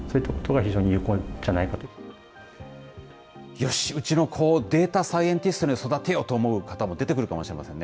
よし、うちの子をデータサイエンティストに育てようとする方も出てくるかもしれませんね。